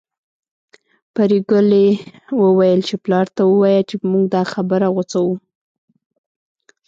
پري ګلې وويل چې پلار ته ووايه چې موږ دا خبره غوڅوو